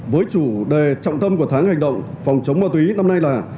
với chủ đề trọng tâm của tháng hành động phòng chống ma túy năm nay là